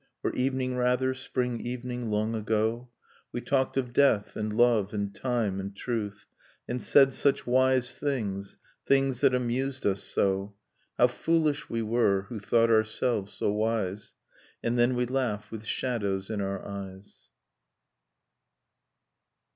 Or evening rather, — spring evening long ago, — We talked of death, and love, and time, and truth. .. And said such w^ise things, things that amused us so ...? How foolish we were, who thought ourselves so wise !'— And then we laugh, with shadows in our eyes.